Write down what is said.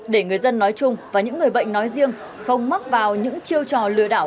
để người dân nói chung và những người bệnh nói riêng không mắc vào những chiêu trò lừa đảo